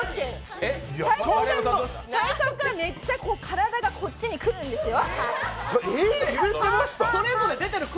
最初からめっちゃ体がこっちに来るんですよ。